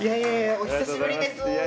お久しぶりです。